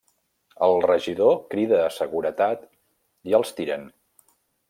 El regidor crida a seguretat i els tiren.